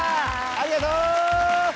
ありがとう！